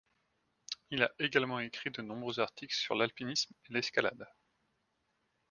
Il a également écrit de nombreux articles sur l'alpinisme et l'escalade.